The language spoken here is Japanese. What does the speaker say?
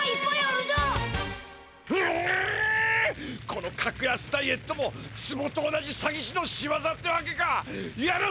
この格安ダイエットもつぼと同じさぎしのしわざってわけか！